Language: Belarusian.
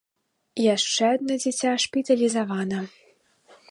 Яшчэ адно дзіця шпіталізавана.